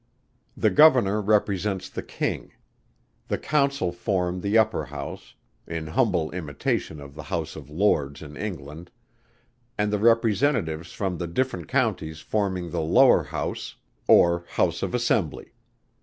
The Governor represents the King. The Council form the upper House, in humble imitation of the House of Lords in England; and the Representatives from the different Counties forming the lower House, or House of Assembly.